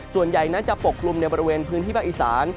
ส่วนใหญ่นั้นจะปกกลุ่มในบริเวณพื้นที่ภาคอีสาน